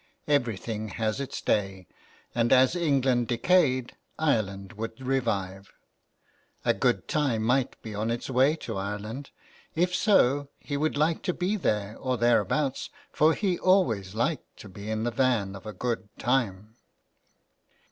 Everything has its day, and as England decayed, Ireland would revive. A good time might be on its way to Ireland ; if so he would like to be there or thereabouts ; for he always liked to be in the van of a good time.